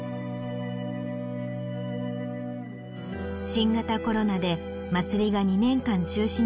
新型コロナでまつりが２年間中止になった